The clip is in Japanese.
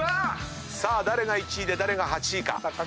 さあ誰が１位で誰が８位か。